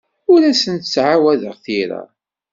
Ur asent-ttɛawadeɣ tira.